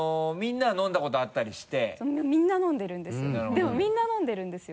でもみんな飲んでるんですよ。